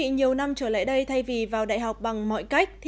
nhiều năm trở lại đây thay vì vào đại học bằng mọi cách